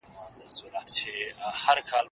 زه له سهاره بوټونه پاکوم؟!